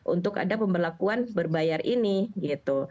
untuk ada pemberlakuan berbayar ini gitu